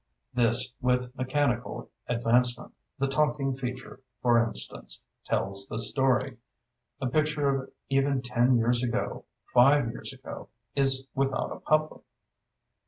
This, with mechanical advancement—the talking feature, for instance—tells the story. A picture of even ten years ago—five years ago—is without a public.